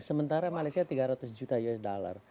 sementara malaysia tiga ratus juta usd